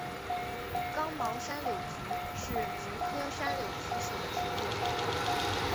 刚毛山柳菊是菊科山柳菊属的植物。